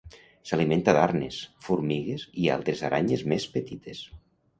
S'alimenta d'arnes, formigues i altres aranyes més petites.